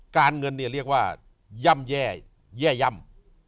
การเงินเนี่ยเรียกว่าย่ำแย่แย่ย่ำ